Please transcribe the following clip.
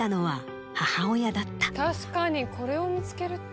確かにこれを見つけるって。